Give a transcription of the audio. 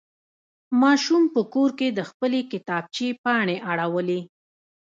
ماشوم په کور کې د خپلې کتابچې پاڼې اړولې.